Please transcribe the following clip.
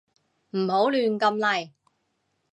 唔好亂咁嚟